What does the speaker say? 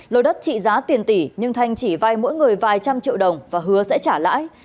lô đất trị giá tiền tỷ nhưng thanh chỉ vay mỗi người vài trăm triệu đồng và hứa sẽ trả lãi